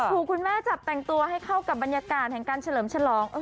คุณแม่จับแต่งตัวให้เข้ากับบรรยากาศแห่งการเฉลิมฉลอง